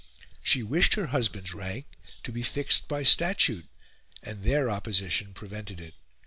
She wished her husband's rank to be axed by statute, and their opposition prevented it.